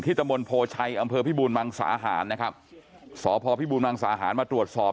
ตะมนต์โพชัยอำเภอพิบูรมังสาหารนะครับสพพิบูรมังสาหารมาตรวจสอบ